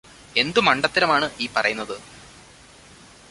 എന്തു മണ്ടത്തരമാണ് ഈ പറയുന്നത്.